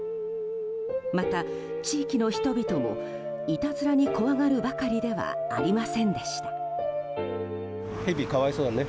また地域の人々もいたずらに怖がるばかりではありませんでした。